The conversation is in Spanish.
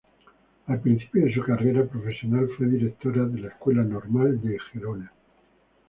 Al principio de su carrera profesional fue directora de la Escuela Normal de Gerona.